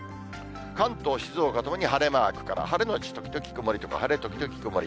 関東、静岡ともに晴れマークから、晴れ後時々曇りとか、晴れ時々曇り。